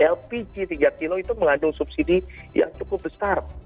lpg tiga kg itu mengandung subsidi yang cukup besar